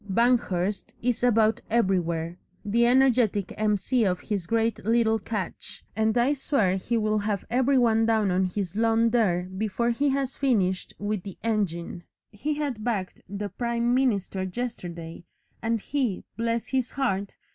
Banghurst is about everywhere, the energetic M.C. of his great little catch, and I swear he will have every one down on his lawn there before he has finished with the engine; he had bagged the prime minister yesterday, and he, bless his heart!